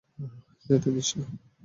যেতে দিস না।